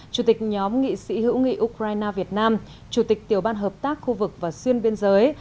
chủ tịch nhóm nghị sĩ hữu nghị ukraine việt nam chủ tịch tiểu ban hợp tác khu vực và xuyên biên giới